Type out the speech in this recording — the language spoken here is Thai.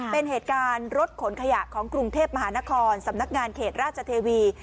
เป็นเหตุการณ์รถขนขยะของกรุงเทพมหานครสำนักงานเขตราชเทวี